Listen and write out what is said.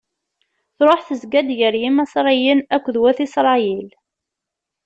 Tṛuḥ tezga-d gar Imaṣriyen akked wat Isṛayil.